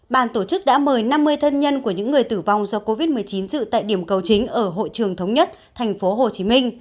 bàn tổ chức đã mời năm mươi thân nhân của những người tử vong do covid một mươi chín dự tại điểm cầu chính ở hội trường thống nhất tp hcm